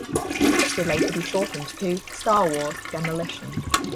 This would later be shortened to "Star Wars: Demolition".